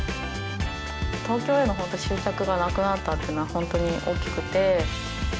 東京への執着がなくなったっていうのは本当に大きくて。